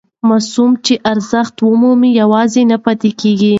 ماسوم چې ارزښت ومومي یوازې نه پاتې کېږي.